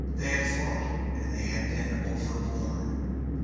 They had fought and they had been overborne.